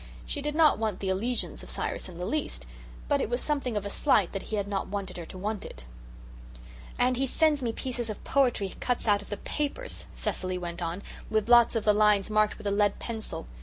She did not want the allegiance of Cyrus in the least, but it was something of a slight that he had not wanted her to want it. "And he sends me pieces of poetry he cuts out of the papers," Cecily went on, "with lots of the lines marked with a lead pencil.